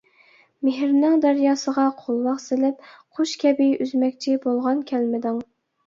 مېھرىنىڭ دەرياسىغا قولۋاق سېلىپ، قۇش كەبى ئۈزمەكچى بولغان، كەلمىدىڭ.